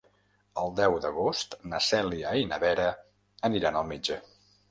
El deu d'agost na Cèlia i na Vera aniran al metge.